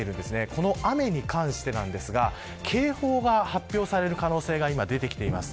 この雨に関してなんですが警報が発表される可能性が今、出てきています。